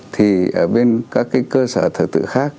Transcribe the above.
thì ở bên các cơ sở thờ tử khác